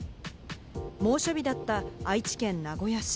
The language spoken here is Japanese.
猛暑日だった愛知県名古屋市。